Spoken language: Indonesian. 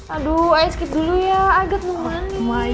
aduh ayo sikit dulu ya agak memalih